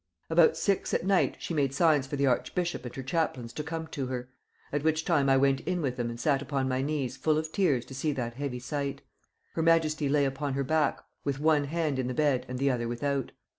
"About six at night she made signs for the archbishop and her chaplains to come to her; at which time I went in with them and sat upon my knees full of tears to see that heavy sight. Her majesty lay upon her back with one hand in the bed and the other without.